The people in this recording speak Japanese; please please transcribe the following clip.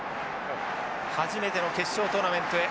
初めての決勝トーナメントへ。